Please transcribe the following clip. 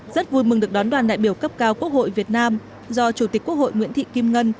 rất vui mừng được đón đoàn đại biểu cấp cao quốc hội việt nam do chủ tịch quốc hội nguyễn thị kim ngân